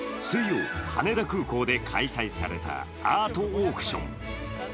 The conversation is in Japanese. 水曜、羽田空港で開催されたアートオークション。